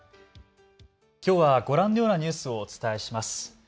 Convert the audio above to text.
きょうはご覧のようなニュースをお伝えします。